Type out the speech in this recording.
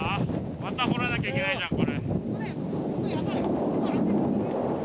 また掘らなきゃいけないじゃんこれ。